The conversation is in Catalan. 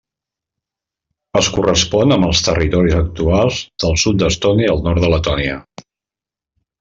Es correspon amb els territoris actuals del sud d'Estònia i el nord de Letònia.